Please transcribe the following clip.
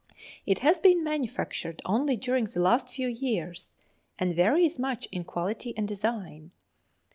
It has been manufactured only during the last few years, and varies much in quality and design.